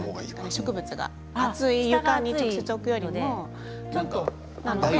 植物、暑い床に直接置くよりも。